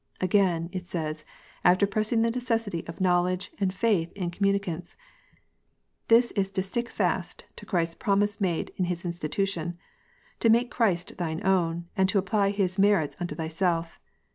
Again, it says, after pressing the necessity of knowledge and faith in communicants :" This is to stick fast to Christ s promise made in His institution : to make Christ thine own, and to apply His merits unto thyself.